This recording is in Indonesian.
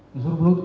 dia suruh berutut